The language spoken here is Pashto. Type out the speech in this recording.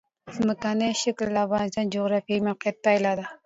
ځمکنی شکل د افغانستان د جغرافیایي موقیعت پایله ده.